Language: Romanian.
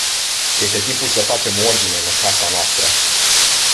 Este timpul să facem ordine în casa noastră.